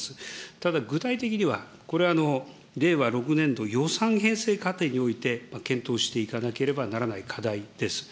ただ、具体的には、これは令和６年度予算編成過程において検討していかなければならない課題です。